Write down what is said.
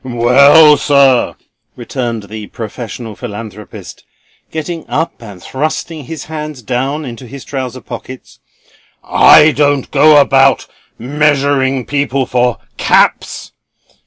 "Well, sir," returned the professional Philanthropist, getting up and thrusting his hands down into his trousers pockets, "I don't go about measuring people for caps.